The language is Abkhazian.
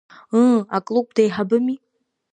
Ыы, аклуб деиҳабыми…